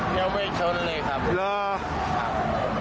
เมาเยอะไปเฉียวชนอื่นเขาอีกครับ